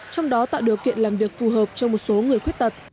trong đó tạo điều kiện làm việc phù hợp cho một số người khuyết tật